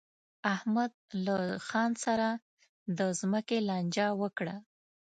احمد له خان سره د ځمکې لانجه وکړه.